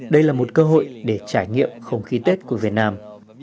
đây là một cơ hội để trải nghiệm không khí tết của việt nam